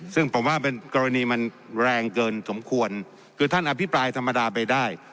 ซึ่งผมว่าเป็นกรณีมันแรงเกินสมควรคือท่านอภิปรายธรรมดาไปได้